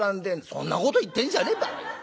「そんなこと言ってんじゃねえバカ野郎。